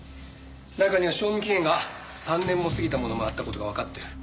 中には賞味期限が３年も過ぎたものもあった事がわかってる。